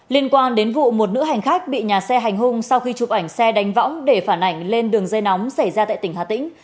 liên quan đến vụ một nữ hành khách bị nhà xe hành hung sau khi chụp ảnh xe đánh võng để phản ảnh lên đường dây nóng xảy ra tại tỉnh hà tĩnh